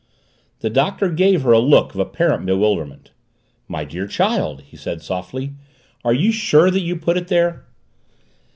The Doctor gave her a look of apparent bewilderment. "My dear child," he said softly, "are you sure that you put it there?"